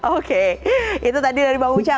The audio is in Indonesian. oke itu tadi dari bang uca